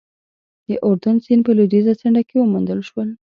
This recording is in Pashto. د اردون سیند په لوېدیځه څنډه کې وموندل شول.